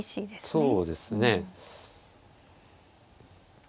そうですね。